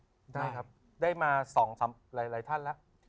ได้ครับได้มา๒๓หลายท่านแล้ว